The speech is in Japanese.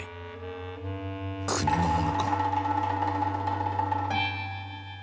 国のものか。